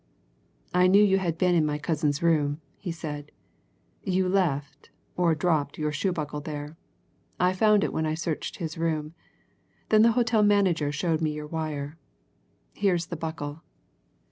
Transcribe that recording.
"I knew you had been in my cousin's room," he said. "You left or dropped your shoe buckle there. I found it when I searched his room. Then the hotel manager showed me your wire. Here's the buckle."